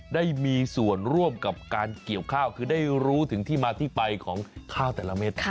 ได้มีส่วนร่วมกับการเกี่ยวข้าวคือได้รู้ถึงที่มาที่ไปของข้าวแต่ละเม็ด